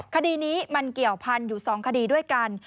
คดีนี้มันเกี่ยวพันธุ์อยู่๒คดีด้วยกัน